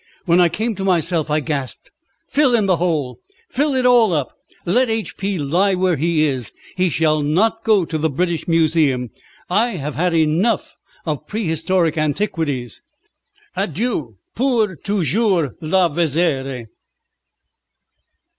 When I came to myself I gasped: "Fill in the hole! Fill it all up. Let H. P. lie where he is. He shall not go to the British Museum. I have had enough of prehistoric antiquities. Adieu, pour toujours la Vézère."